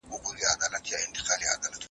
کتابتون څېړنه د پوهانو لپاره لومړی ګام دئ.